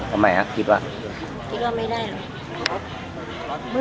คุณจะไม่มีทรัพย์อีกเดี๋ยวไหม